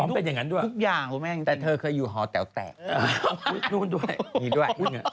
อ๋อเป็นอย่างนั้นด้วยแต่เธอเคยอยู่หอแต๋วแตกนู่นด้วยนี่ด้วยนี่ด้วย